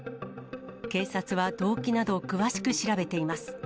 警察は動機など詳しく調べています。